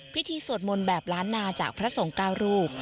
พิธีสวดมนต์แบบล้านนาจากพระสงการูป